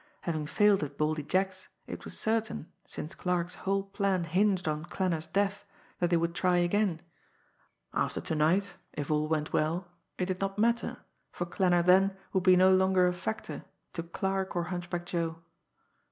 Having failed at Baldy Jack's, it was certain, since Clarke's whole plan hinged on Klanner's death, that they would try again. After to night if all went well it did not matter, for Klanner then would be no longer a factor to Clarke or Hunchback Joe!